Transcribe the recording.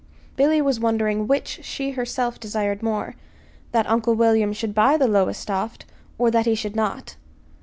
Billy was wondering which she herself desired more that Uncle William should buy the Lowestoft, or that he should not.